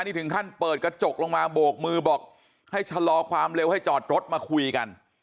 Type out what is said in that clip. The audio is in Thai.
นี่ถึงขั้นเปิดกระจกลงมาโบกมือบอกให้ชะลอความเร็วให้จอดรถมาคุยกัน